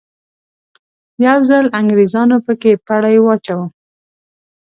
یو ځل انګریزانو په کې پړی واچاوه.